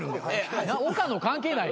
岡野関係ない。